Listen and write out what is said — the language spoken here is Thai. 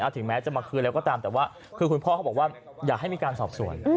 ไม่เคยจะคืนแล้วเขาตามแต่คุณพ่อเขาบอกว่าอยากให้มีการสอบส่วน